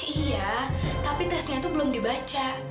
iya tapi tesnya itu belum dibaca